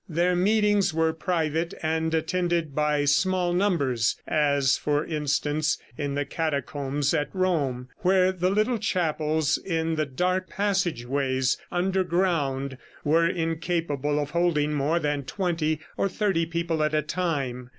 Their meetings were private, and attended by small numbers, as, for instance, in the Catacombs at Rome, where the little chapels in the dark passage ways under ground were incapable of holding more than twenty or thirty people at a time.